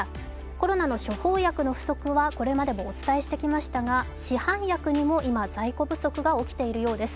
コロナの処方薬の不足はこれまでもお伝えしてきましたが市販薬にも今、在庫不足が起きているようです。